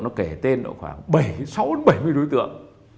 nó kể tên khoảng sáu bảy mươi đối tượng